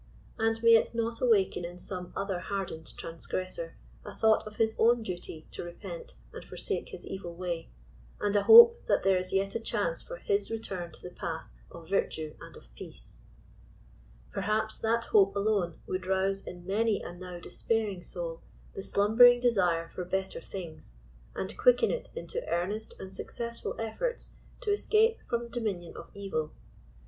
And may it not awaken in some other hardened transgressor a thought of his own duty to repent and forsake his evil way, and a hope that there is yet a chance for his return to the path of virtue and of peace T Perhaps that hope alone would rouse in many a now despairing soul the slumbering desire for better things, and quicken it into earnest and success ful efforts to escape from the dominion of evil.